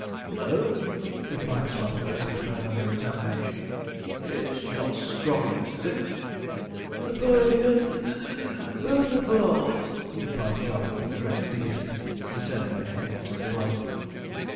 'No,' replied Sponge, after another examination. 'It's not Scroggins, is it?' 'Napoleon (puff) Bonaparte,' replied Jog, with great dignity, returning the head to the glove.